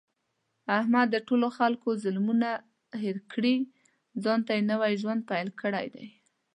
احمد د ټولو خلکو ظلمونه هېر کړي، ځانته یې نوی ژوند پیل کړی دی.